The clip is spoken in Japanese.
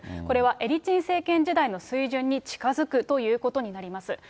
これはエリツィン政権時代の水準に近づくということになります。